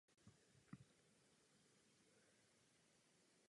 Je tudy vedena Mezinárodní naučná stezka Lužické a Žitavské hory.